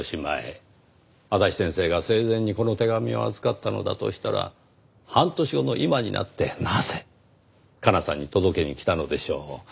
足立先生が生前にこの手紙を預かったのだとしたら半年後の今になってなぜ加奈さんに届けに来たのでしょう？